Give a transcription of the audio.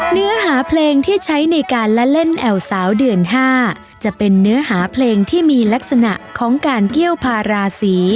เนื้อหาเพลงที่ใช้ในการละเล่นแอวสาวเดือน๕จะเป็นเนื้อหาเพลงที่มีลักษณะของการเกี้ยวพาราศี